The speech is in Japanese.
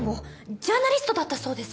ジャーナリストだったそうです。